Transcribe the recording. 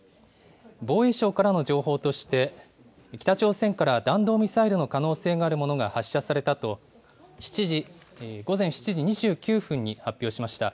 防衛省からの情報として、北朝鮮から弾道ミサイルの可能性があるものが発射されたと、午前７時２９分に発表しました。